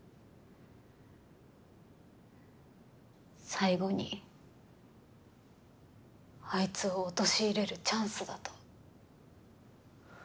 最期にあいつを陥れるチャンスだと。